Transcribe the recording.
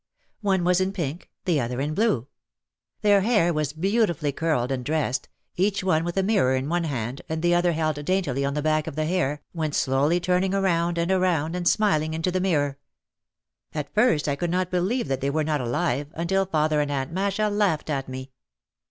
One was in pink, the other in blue. Their hair was beautifully curled and dressed, each one with a mirror in one hand and the other held daintily on the back of the hair, went slowly turning around and around and smiling into the mirror. OUT OF THE SHADOW 73 At first I could not believe that they were not alive until father and Aunt Masha laughed at me.